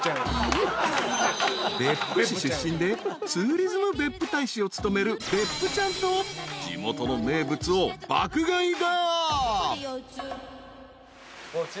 ［別府市出身でツーリズム別府大使を務める別府ちゃんと地元の名物を爆買いだ］